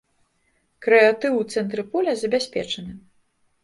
Крэатыў у цэнтры поля забяспечаны.